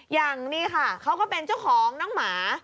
อย่างนี้ค่ะเขาก็เป็นเจ้าของน้องหมา